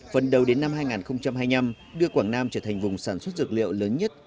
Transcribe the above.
phần đầu đến năm hai nghìn hai mươi năm đưa quảng nam trở thành vùng sản xuất dược liệu lớn nhất